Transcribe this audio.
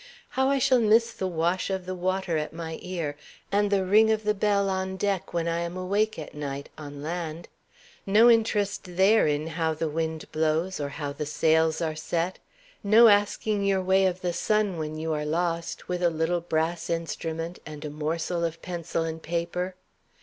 How I shall miss the wash of the water at my ear, and the ring of the bell on deck when I am awake at night on land! No interest there in how the wind blows, or how the sails are set. No asking your way of the sun, when you are lost, with a little brass instrument and a morsel of pencil and paper.